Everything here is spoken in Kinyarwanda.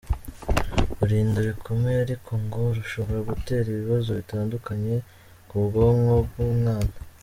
urinda bikomeye ariko ngo rushobora gutera ibibazo bitandukanye ku bwonko bw’umwana.